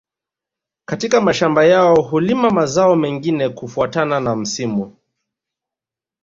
Katika mashamba yao hulima mazao mengine kufuatana na msimu